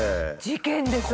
事件です！